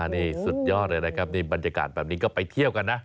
นี่สุดยอดเลยนะครับนี่บรรยากาศแบบนี้ก็ไปเที่ยวกันนะ